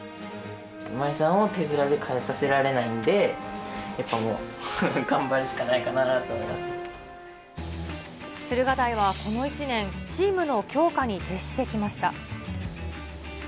今井さんを手ぶらで帰させられないので、やっぱもう、頑張る駿河台はこの１年、チームの強化に徹してきました。